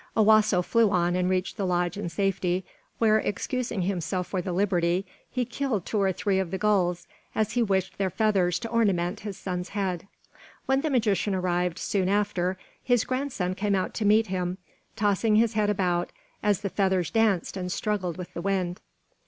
Owasso flew on and reached the lodge in safety, where, excusing himself for the liberty, he killed two or three of the gulls, as he wished their feathers to ornament his son's head. When the magician arrived, soon after, his grandson came out to meet him, tossing his head about as the feathers danced and struggled with the wind.